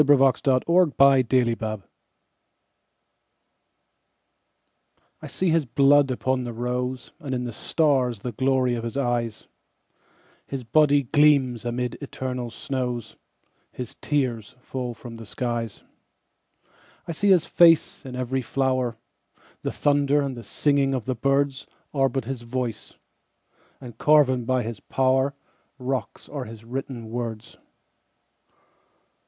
I see His Blood upon the Rose I SEE his blood upon the roseAnd in the stars the glory of his eyes, His body gleams amid eternal snows, His tears fall from the skies.I see his face in every flower; The thunder and the singing of the birdsAre but his voice—and carven by his powerRocks are his written words.